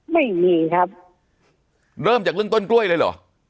ไม่มีครับเริ่มจากเรื่องต้นกล้วยเลยเหรอ